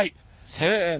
せの！